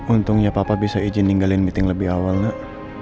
untungnya papa bisa izin tinggalin meeting lebih awal nak